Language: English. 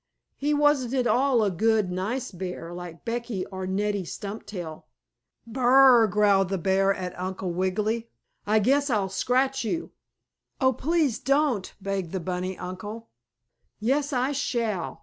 He wasn't at all a good, nice bear like Beckie or Neddie Stubtail. "Bur r r r r!" growled the bear at Uncle Wiggily. "I guess I'll scratch you." "Oh, please don't," begged the bunny uncle. "Yes, I shall!"